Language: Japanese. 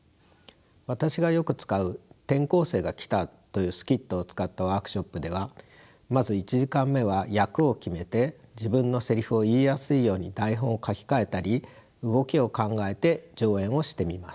私がよく使う「転校生が来た」というスキットを使ったワークショップではまず１時間目は役を決めて自分のせりふを言いやすいように台本を書き換えたり動きを考えて上演をしてみます。